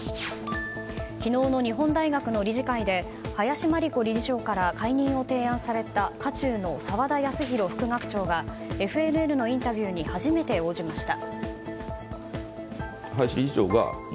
昨日の日本大学の理事会で林真理子理事長から解任を提案された渦中の沢田康広副学長がＦＮＮのインタビューに初めて応じました。